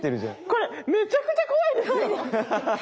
これめちゃくちゃ怖いですよ！